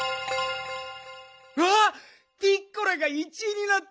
うわっピッコラが１いになった！